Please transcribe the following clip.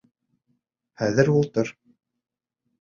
Хәҙер ултыр.